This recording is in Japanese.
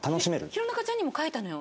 弘中ちゃんにも書いたのよ。